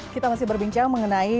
kita masih berbincang mengenai